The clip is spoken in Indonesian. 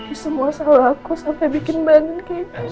ini semua salah aku sampai bikin banin kayak gini